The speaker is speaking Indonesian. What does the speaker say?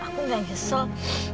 aku enggak nyesel